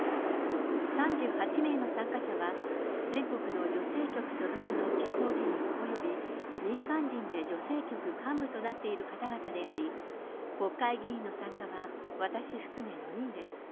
３８名の参加者は、全国の女性局所属の地方議員及び民間人で女性局幹部となっている方々であり、国会議員の参加は私含め４人です。